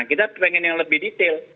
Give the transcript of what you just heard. kita pengen yang lebih detail